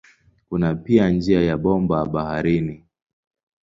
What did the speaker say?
Kuna pia njia za bomba baharini.